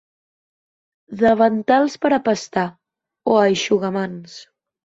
Davantals per a pastar, o eixugamans.